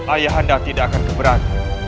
ayah anda tidak akan keberatan